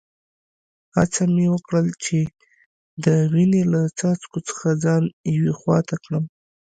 هڅه مې وکړل چي د وینې له څاڅکو څخه ځان یوې خوا ته کړم.